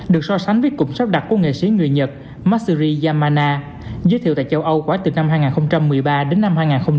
được so sánh với cụm sắp đặt của nghệ sĩ người nhật matsuri yamana giới thiệu tại châu âu quá từ năm hai nghìn một mươi ba đến năm hai nghìn một mươi bốn